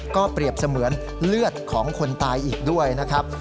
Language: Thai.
ก็เปรียบเสมือนเลือดของคนตายอีกด้วยนะครับ